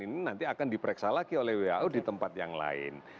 ini nanti akan diperiksa lagi oleh who di tempat yang lain